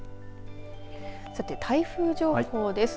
さて、台風情報です。